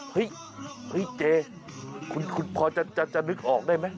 เฮ้ยเจคุณพอจะนึกออกได้ไหม